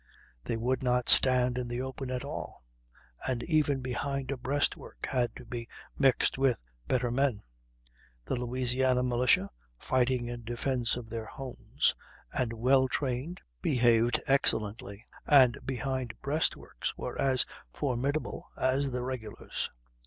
They would not stand in the open at all, and even behind a breastwork had to be mixed with better men. The Louisiana militia, fighting in defence of their homes, and well trained, behaved excellently, and behind breastworks were as formidable as the regulars.